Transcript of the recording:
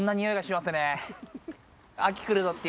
って